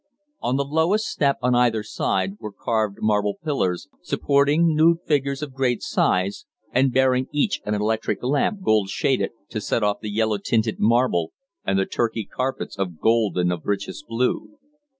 On the lowest step on either side were carved marble pillars supporting nude figures of great size and bearing each an electric lamp gold shaded to set off the yellow tinted marble and the Turkey carpets of gold and of richest blue.